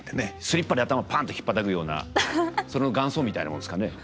スリッパで頭パンとひっぱたくようなその元祖みたいなもんですかね。